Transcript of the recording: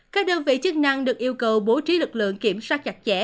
các đơn vị chức năng được yêu cầu bố trí lực lượng kiểm soát chặt chẽ